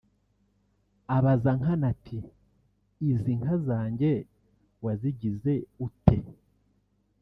Abaza Nkana ati “Izi nka zanjye wazigize ute